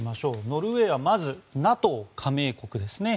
ノルウェーはまずＮＡＴＯ加盟国ですね。